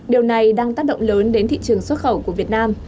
điều này đang tác động lớn đến thị trường xuất khẩu của việt nam